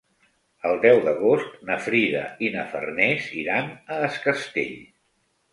El deu d'agost na Frida i na Farners iran a Es Castell.